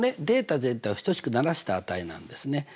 データ全体を等しくならした値なんですね。